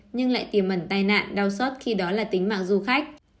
nhưng lại tiềm mẩn tai nạn đau xót khi đó là tính mạng du khách